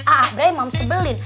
aabray mam sebelin